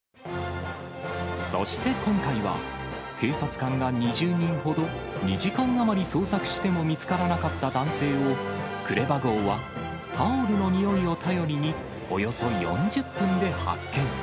そして今回は、警察官が２０人ほど、２時間余り捜索しても見つからなかった男性を、クレバ号はタオルのにおいを頼りに、およそ４０分で発見。